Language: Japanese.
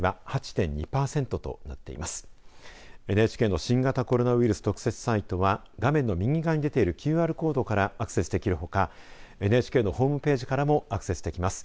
ＮＨＫの新型コロナウイルス特設サイトは画面の右側に出ているＱＲコードからアクセスできるほかＮＨＫのホームページからもアクセスできます。